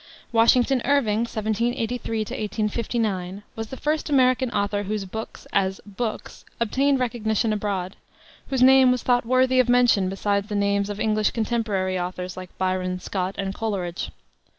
Washington Irving (1783 1859) was the first American author whose books, as books, obtained recognition abroad; whose name was thought worthy of mention beside the names of English contemporary authors, like Byron, Scott, and Coleridge.